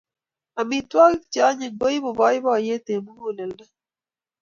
Amitwogik che anyiny koipu boiboiyet eng muguleldo